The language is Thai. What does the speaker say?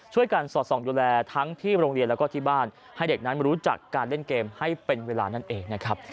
สอดส่องดูแลทั้งที่โรงเรียนแล้วก็ที่บ้านให้เด็กนั้นรู้จักการเล่นเกมให้เป็นเวลานั่นเองนะครับ